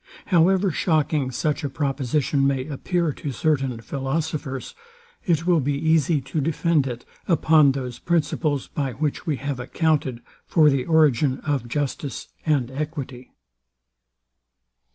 However shocking such a proposition may appear to certain philosophers, it will be easy to defend it upon those principles, by which we have accounted for the origin of justice and equity.